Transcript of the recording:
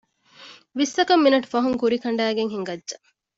ވިއްސަކަށް މިނެޓު ފަހުން ކެރިކަނޑައިގެން ހިނގައްޖެ